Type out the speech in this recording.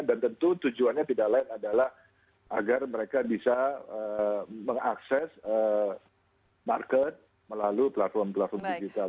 dan tentu tujuannya tidak lain adalah agar mereka bisa mengakses market melalui platform platform digital